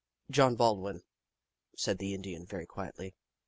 " ''John Baldwin," said the Indian, very quietly.